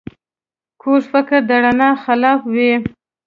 کوږ فکر د رڼا خلاف وي